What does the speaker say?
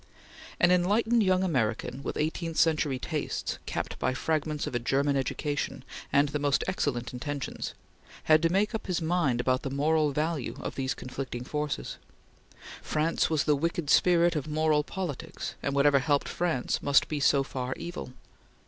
An enlightened young American, with eighteenth century tastes capped by fragments of a German education and the most excellent intentions, had to make up his mind about the moral value of these conflicting forces. France was the wicked spirit of moral politics, and whatever helped France must be so far evil.